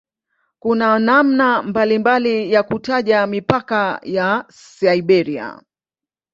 Kuna namna mbalimbali ya kutaja mipaka ya "Siberia".